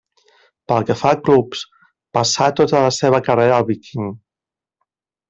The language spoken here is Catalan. Pel que fa a clubs, passà tota la seva carrera al Viking.